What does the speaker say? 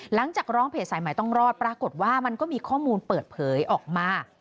หลังจากร้องเพจสายใหม่ต้องรอดปรากฏว่ามันก็มีข้อมูลเปิดเผยออกมา